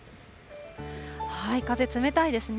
風、冷たいですね。